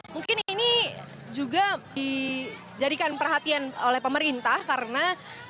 mungkin ini juga dijadikan perhatian oleh pemerintah karena